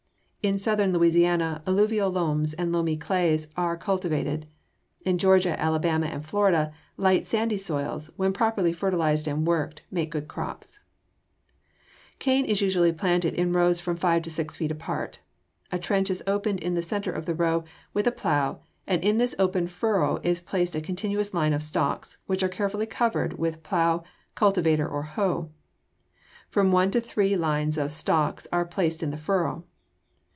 In southern Louisiana alluvial loams and loamy clay soils are cultivated. In Georgia, Alabama, and Florida light, sandy soils, when properly fertilized and worked, make good crops. [Illustration: FIG. 215. PLANTING SUGAR CANE] [Illustration: FIG. 216. LOADING SUGAR CANE] Cane is usually planted in rows from five to six feet apart. A trench is opened in the center of the row with a plow and in this open furrow is placed a continuous line of stalks which are carefully covered with plow, cultivator, or hoe. From one to three continuous lines of stalks are placed in the furrow.